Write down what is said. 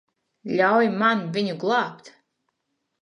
Ļauj man viņu glābt.